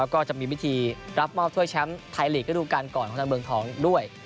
ก็จะมีวิธีรับเมาส์ถ้วยแชมป์ไทยลีกให้ดูการก่อนของทางเบื้องท้องด้วย